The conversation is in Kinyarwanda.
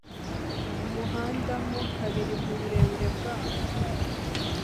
umuhanda mo kabiri mu burebure bwawo